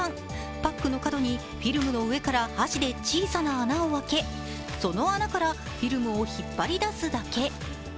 パックの角にフィルムの上から箸で小さな穴を開けその穴からフィルムを引っ張り出すだけ。